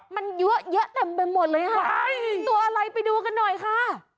มันเยอะแยะเต็มไปหมดเลยค่ะตัวอะไรไปดูกันหน่อยค่ะ